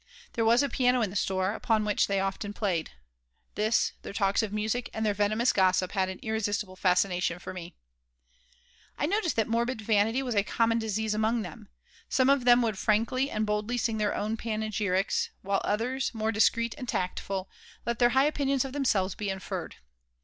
There was a piano in the store, upon which they often played. This, their talks of music, and their venomous gossip had an irresistible fascination for me I noticed that morbid vanity was a common disease among them. Some of them would frankly and boldly sing their own panegyrics, while others, more discreet and tactful, let their high opinions of themselves be inferred.